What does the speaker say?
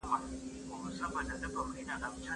زه د شیدو په څښلو مصروفه یم.